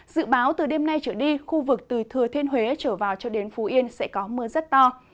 dự báo từ đêm nay trở đi khu vực từ thừa thiên huế trở vào cho đến phú yên sẽ có mưa rất to